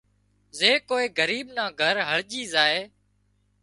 زي ڪوئي ڳريٻ نان گھر هرڄي زائي